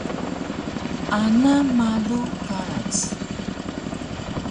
Ana malu karac